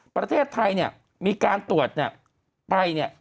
ประเทศไทยมีการป้อบวันนี้